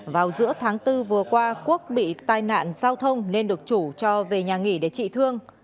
vào giữa tháng bốn vừa qua quốc bị tai nạn giao thông nên được chủ cho về nhà nghỉ để trị thương